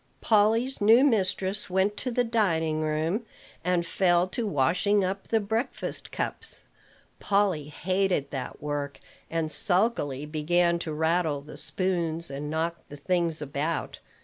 Polly's new mistress went to the dining room, and fell to washing up the breakfast cups. Polly hated that work, and sulkily began to rattle the spoons and knock the things about.